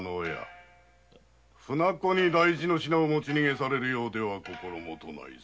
船子に大事な品を持ち逃げされるとは心もとないぞ。